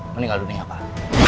meninggal dunia pak